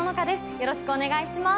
よろしくお願いします。